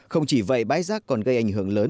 không chỉ vậy bãi rác còn gây ảnh hưởng lớn